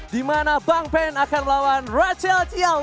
dimana bang pen akan melawan rachel tiaw